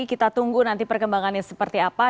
kita tunggu nanti perkembangan yang seperti apa